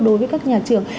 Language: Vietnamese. đối với các nhà trường